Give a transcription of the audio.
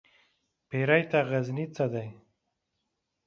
پيري ته غزنى څه دى ؟